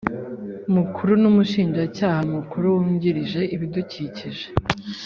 Mukuru n umushinjacyaha mukuru wungirije ibidukikije